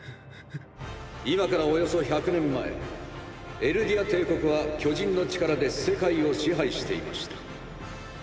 今からおよそ１００年前エルディア帝国は巨人の力で世界を支配していました。